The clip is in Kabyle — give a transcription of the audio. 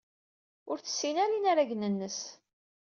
Ur tessin ara inaragen-nnes.